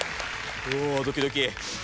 ドキドキ。